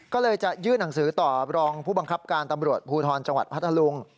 ก็เลยจะยื่นหนังสือต่อรองผู้บังคับการตำรวจภูทรจังหวัดพัทธลุง